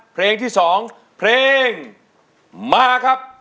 เพลงที่๒เพลงมาครับ